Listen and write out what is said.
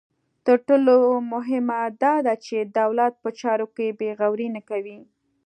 تر ټولو مهمه دا ده چې دولت په چارو کې بې غوري نه کوي.